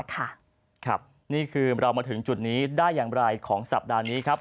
ครับนี่คือเรามาถึงจุดนี้ได้อย่างไรของสัปดาห์นี้ครับ